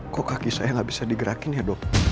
kok kaki saya gak bisa digerakin ya dok